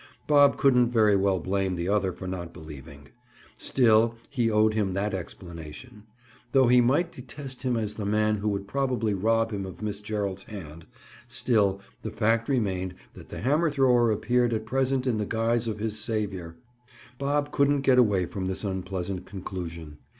Bob couldn't very well blame the other for not believing. Still he (Bob) owed him that explanation. Though he (Bob) might detest him as the man who would probably rob him of Miss Gerald's hand, still the fact remained that the hammer thrower appeared at present in the guise of his (Bob's) savior. Bob couldn't get away from this unpleasant conclusion.